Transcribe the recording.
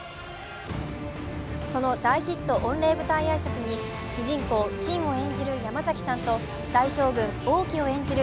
その大ヒット御礼舞台挨拶に主人公・信を演じる山崎さんと大将軍・王騎を演じる